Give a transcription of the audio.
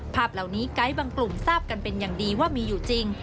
ภาพเหล่านี้ไกด์บางกลุ่มทราบกันเป็นอย่างดีว่ามีอยู่จริง